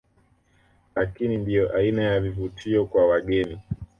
Lakini ndiyo aina ya vivutio kwa wageni